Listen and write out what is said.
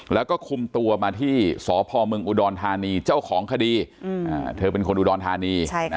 แล้วก็คุมตัวมาที่สพเมืองอุดรธานีเจ้าของคดีเธอเป็นคนอุดรธานี